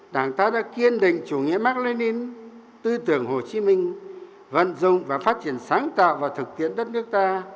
đảng ta đã kiên định chủ nghĩa mạc lê nín tư tưởng hồ chí minh vận dụng và phát triển sáng tạo và thực hiện đất nước ta